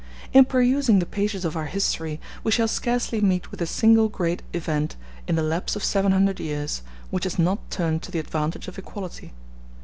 In perusing the pages of our history, we shall scarcely meet with a single great event, in the lapse of seven hundred years, which has not turned to the advantage of equality.